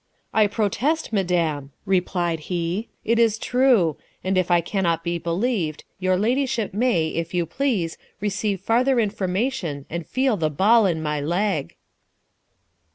"I protest, madam," replied he, "it is true; and if I cannot be believed, your ladyship may, if you please, receive farther information and feel the ball in my leg."